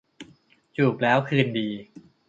จูบแล้วคืนดี